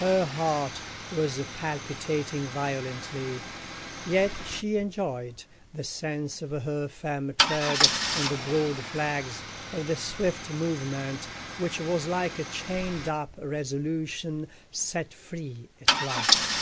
Her heart was palpitating violently, yet she enjoyed the sense of her firm tread on the broad flags—of the swift movement, which was like a chained up resolution set free at last.